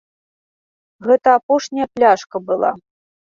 Гэта апошняя пляшка была.